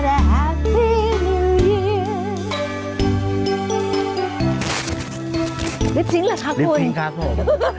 รีบซิ้นเหรอครับคุณรีบซิ้นครับผม